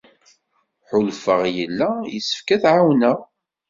Ḥulfaɣ yella yessefk ad tt-ɛawneɣ.